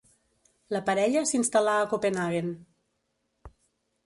La parella s'instal·là a Copenhaguen.